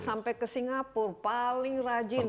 sampai ke singapura paling rajin